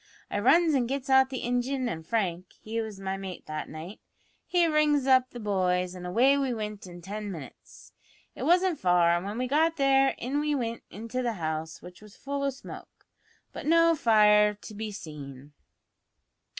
I runs an' gets out the ingin, an' Frank (he was my mate that night) he rings up the boys, an' away we wint in tin minutes. It wasn't far, an' when we got there in we wint into the house, which was full o' smoke, but no fire to be seen.